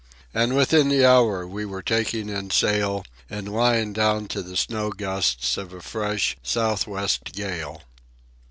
And within the hour we were taking in sail and lying down to the snow gusts of a fresh south west gale.